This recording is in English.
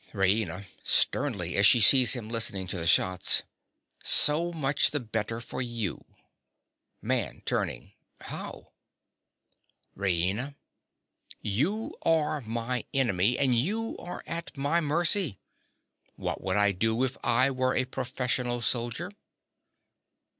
_) RAINA. (sternly, as she sees him listening to the shots). So much the better for you. MAN. (turning). How? RAINA. You are my enemy; and you are at my mercy. What would I do if I were a professional soldier?